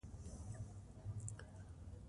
سلیمان غر د افغانستان د موسم د بدلون سبب کېږي.